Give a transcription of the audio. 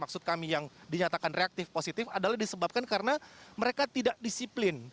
maksud kami yang dinyatakan reaktif positif adalah disebabkan karena mereka tidak disiplin